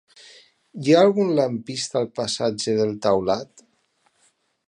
Hi ha algun lampista al passatge del Taulat?